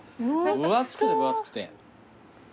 分厚くて分厚くて。